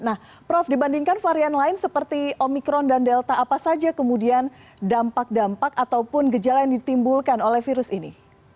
nah prof dibandingkan varian lain seperti omikron dan delta apa saja kemudian dampak dampak ataupun gejala yang ditimbulkan oleh virus ini